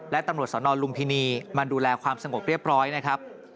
และตำรวจสนลุมพินีมาดูแลความสงบเรียบร้อยนะครับ